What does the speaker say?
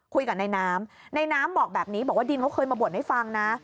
คุยกับนายน้ำนายน้ำบอกแบบนี้บอกว่าดินเคยมาบวชให้ฟังนะ